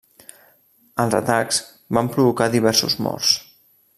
Els atacs van provocar diversos morts.